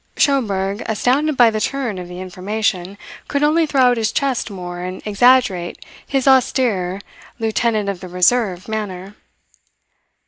Schomberg, astounded by the turn of the information, could only throw out his chest more and exaggerate his austere Lieutenant of the Reserve manner.